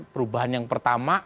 perubahan yang pertama